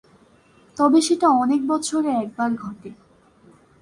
তবে সেটা অনেক বছরে একবার ঘটে।